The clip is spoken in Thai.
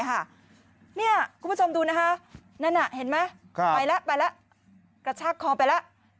คุณผู้ชมดูนะคะนั่นน่ะเห็นไหมไปแล้วไปแล้วกระชากคอไปแล้ว